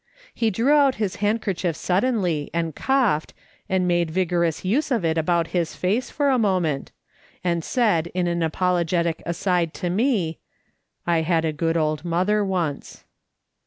He drew out his handkerchief suddenly, and coughed, and made vigorous use of it about his face for a moment, and said in an apologetic aside to me : "I had a good old mother once."